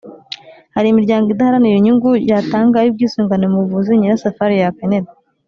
hari imiryango idaharanira inyungu yatanga ay’ubwisungane mu buvuzi nyirasafari yakenera.